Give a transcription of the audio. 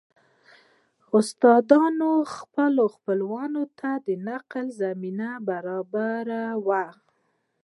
استادان خپلو خپلوانو ته د نقل زمينه برابروي